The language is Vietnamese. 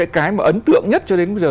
cái mà ấn tượng nhất cho đến bây giờ